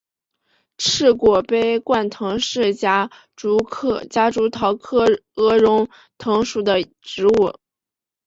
翅果杯冠藤是夹竹桃科鹅绒藤属的植物。